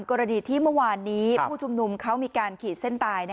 กรณีที่เมื่อวานนี้ผู้ชุมนุมเขามีการขีดเส้นตาย